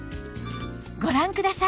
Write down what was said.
ご覧ください